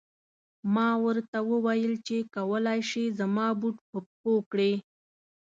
ما ورته و ویل چې کولای شې زما بوټ په پښو کړې.